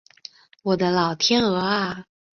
我的老天鹅啊